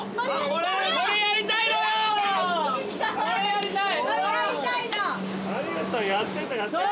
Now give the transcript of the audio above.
これやりたい！